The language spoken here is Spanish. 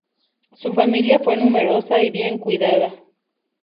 Su familia fue numerosa y bien cuidada.